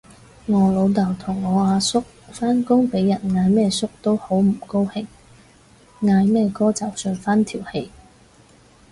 我老豆同我阿叔返工俾人嗌乜叔都好唔高興，嗌乜哥就順返條氣